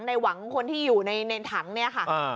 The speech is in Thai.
ในหวังคนที่อยู่ในถังเนี่ยค่ะ